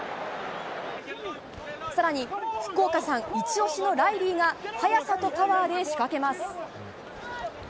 更に、福岡さんイチ押しのライリーが速さとパワーで仕掛けます。